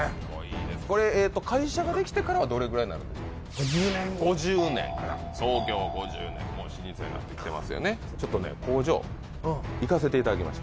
これ会社ができてからはどれぐらいになるんですか５０年５０年創業５０年もう老舗になってきてますよね